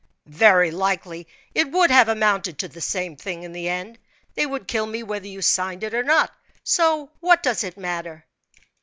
"Very likely it would have amounted to the same thing in the end they would kill me whether you signed it or not; so what does it matter?"